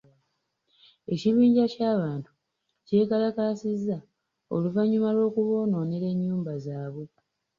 Ekibinja ky'abantu kyekalakaasizza oluvannyuma lw'okuboonoonera ennyumba zaabwe.